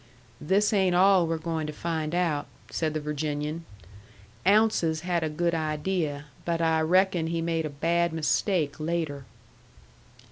"This ain't all we're going to find out," said the Virginian. "Ounces had a good idea; but I reckon he made a bad mistake later."